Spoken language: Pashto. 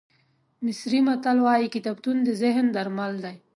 مصري متل وایي کتابتون د ذهن درمل دی.